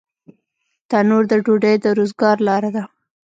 تنور د ډوډۍ د روزګار لاره ده